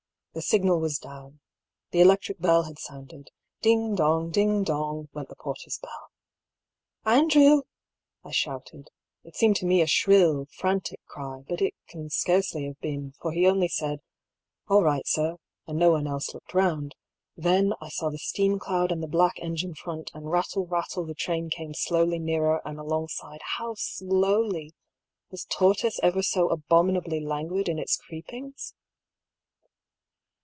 The signal was down. The electric bell had sounded, " ding dong, ding dong " went the porter's handbell. " Andrew !" I shouted (it seemed to me a shill, frantic cry, but it can scarcely have been, for he only said, " All right, sir," and no one else EXTRACT FROM DIARY OP DR. HUGH PAULL. 255 looked round), then I saw the steam cloud and the black engine front, and rattle rattle the train came slowly nearer and alongside, how slowly ! Was tortoise ever so abominably languid in its creepings